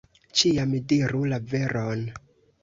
Ĉiam diru la veron!